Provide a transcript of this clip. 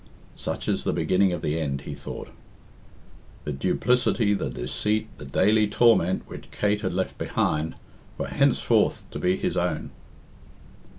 "Such is the beginning of the end," he thought. The duplicity, the deceit, the daily torment which Kate had left behind, were henceforward to be his own!